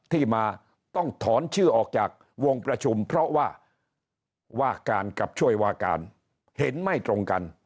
ที่มาต้องถอนชื่อออกจากวงประชุมเพราะว่าวาการกับช่วยวาการเห็นไม่ตรงกัน